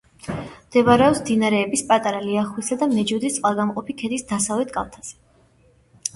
მდებარეობს მდინარეების პატარა ლიახვისა და მეჯუდის წყალგამყოფი ქედის დასავლეთ კალთაზე.